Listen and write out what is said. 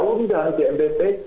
undang di mpbk